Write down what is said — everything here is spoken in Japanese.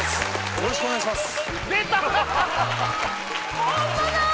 よろしくお願いします